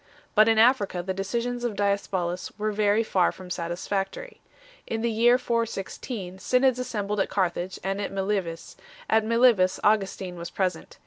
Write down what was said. But in Africa the decisions of Diospolis were very far from satisfactory. In the year 416 synods assembled at Carthage and at Mile vis; at Milevis Augustin was present.